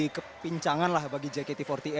menjadi kepincangan lah bagi jkt empat puluh delapan